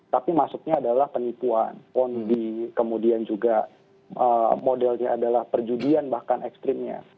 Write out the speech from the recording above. tapi masuknya adalah penipuan pondi kemudian juga modelnya adalah perjudian bahkan ekstrimnya